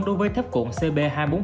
đối với thép cuộn cb hai trăm bốn mươi